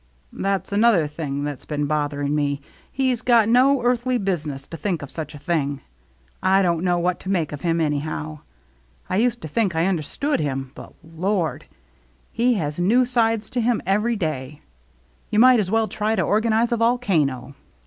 " That's another thing that's been bothering me. He's got no earthly business to think of such a thing. I don't know what to make of him, anyhow. I used to think I under stood him, but Lord! he has new sides to him every day — you might as well try to organize a volcano.